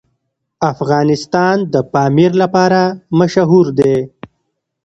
افغانستان د پامیر لپاره مشهور دی.